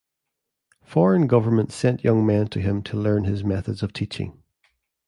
Foreign governments sent young men to him to learn his methods of teaching.